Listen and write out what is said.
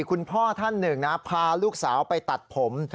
คุณพ่อท่านหนึ่งนะพาลูกสาวไปตัดผม